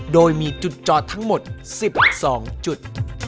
โดยมีจุดจอดทั้งหมด๑๒จุด